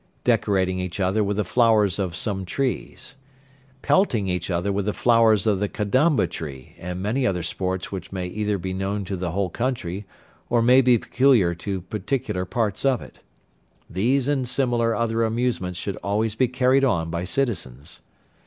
Decorating each other with the flowers of some trees. Pelting each other with the flowers of the Kadamba tree, and many other sports which may either be known to the whole country, or may be peculiar to particular parts of it. These and similar other amusements should always be carried on by citizens.